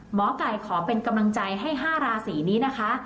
หมอไก่ขอเป็นกำลังใจให้๕ราศีนี้นะคะ